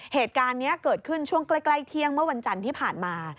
เหตุการณ์นี้เกิดขึ้นช่วงใกล้เที่ยงเมื่อวันจันทร์ที่ผ่านมา